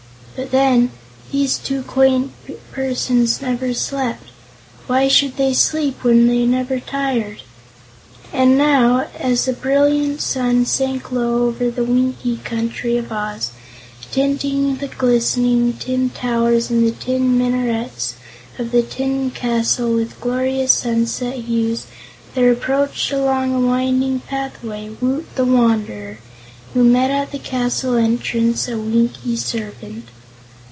But then, these two quaint persons never slept. Why should they sleep, when they never tired? And now, as the brilliant sun sank low over the Winkie Country of Oz, tinting the glistening tin towers and tin minarets of the tin castle with glorious sunset hues, there approached along a winding pathway Woot the Wanderer, who met at the castle entrance a Winkie servant.